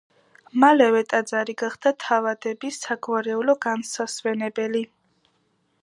მალევე ტაძარი გახდა თავადების საგვარეულო განსასვენებელი.